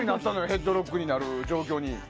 ヘッドロックになる状況に。